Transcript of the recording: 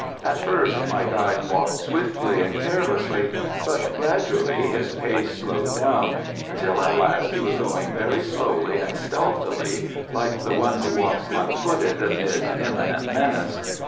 At first my guide walked swiftly and carelessly, but gradually his pace slowed down, until at last he was going very slowly and stealthily, like one who walks light footed amid imminent menace.